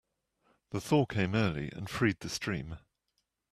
The thaw came early and freed the stream.